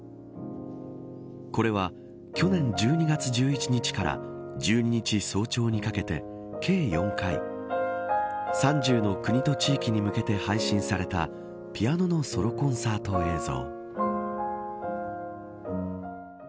これは、去年１２月１１日から１２日早朝にかけて計４回３０の国と地域に向けて配信されたピアノのソロコンサートの映像。